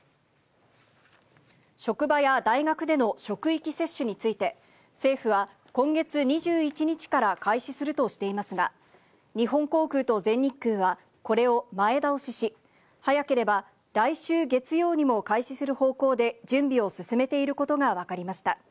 職場や大学での職域接種について、政府は今月２１日から開始するとしていますが、日本航空と全日空はこれを前倒しし、早ければ来週月曜にも開始する方向で準備を進めていることが分かりました。